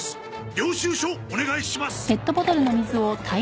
領収書お願いします！